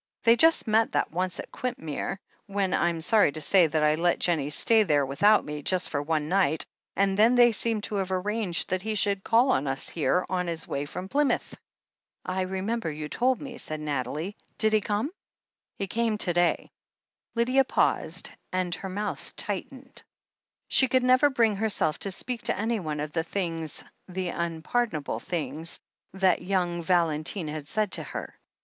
They just met that once at Quintmere, when I'm sorry to say that I let Jennie stay there with out me, just for one night — ^and then they seem to have arranged that he should call on us here on his way from Plymouth." "I remember, you told me," said Nathalie, "Did he come ?" THE HEEL OF ACHILLES 405 "He came to day." Lydia paused, and her mouth tightened. She could never bring herself to speak to anyone of the things, the unpardonable things, that young Val entine had said to her.